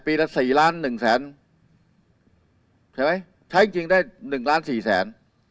ปีละ๔ล้าน๑แสนใช่ไหมใช้จริงได้๑ล้าน๔แสน